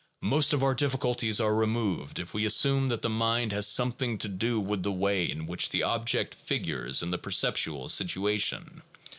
Most of our difficulties are removed if we assume that the mind has something to do with the way in which the object figures in the perceptual situation.